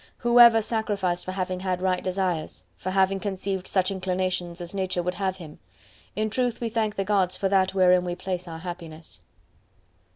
—Who ever sacrificed for having had right desires; for having conceived such inclinations as Nature would have him? In truth we thank the Gods for that wherein we place our happiness.